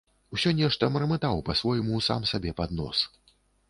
Усё нешта мармытаў па-свойму сам сабе пад нос.